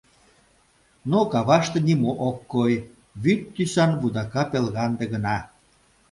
Но каваште нимо ок кой, вӱд тӱсан вудака пелганде гына.